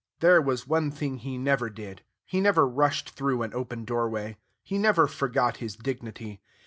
There was one thing he never did, he never rushed through an open doorway. He never forgot his dignity.